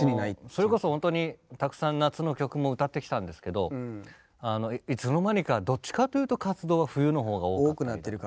それこそほんとにたくさん夏の曲も歌ってきたんですけどいつの間にかどっちかというと活動は冬の方が多かったり。